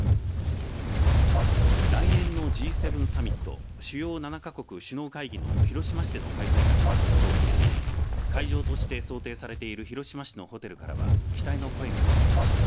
来年のＧ７サミット主要７か国首脳会議の広島市での開催が決まったことを受けて会場として想定されている広島市のホテルからは期待の声が聞かれました。